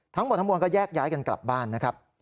ทั้งหมดทั้งมวลก็แยกย้ายกันกลับบ้านนะครับ